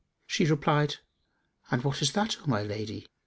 She replied, "And what is that, O my lady?"